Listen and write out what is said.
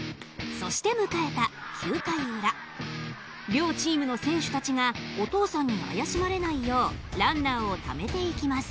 両チームの選手たちがお父さんに怪しまれないようランナーをためていきます。